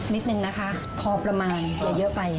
นิดนึงนะคะพอประมาณเยอะไป